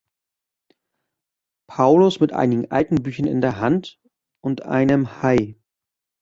Paulus mit einigen alten Büchern in der Hand" und einen "Hl.